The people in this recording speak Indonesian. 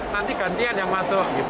nanti gantian yang masuk